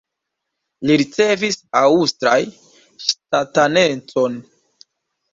Li ricevis aŭstraj ŝtatanecon.